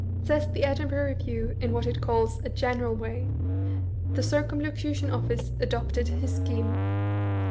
Says the Edinhirgh Review, in what it calls a " general " way, " The Circumlocution Office adopted his scheme."